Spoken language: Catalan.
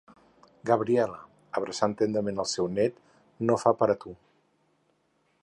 Gabriela, abraçant tendrament el seu nét–, no fa per a tu.